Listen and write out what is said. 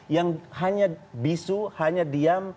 yang hanya bisu hanya diam